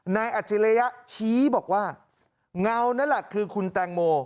อัจฉริยะชี้บอกว่าเงานั่นแหละคือคุณแตงโม